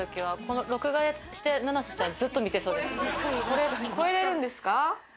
これ超えれるんですか？